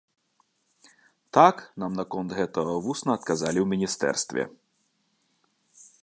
Так нам наконт гэтага вусна адказалі ў міністэрстве.